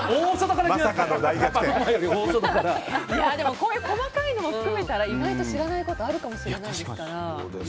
こういう細かいのも含めたら意外と、知らないことがあるかもしれないですから。